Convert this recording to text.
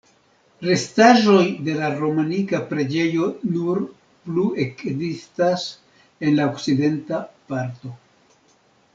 Restaĵoj de la romanika preĝejo nur plu ekzistas en la okcidenta parto.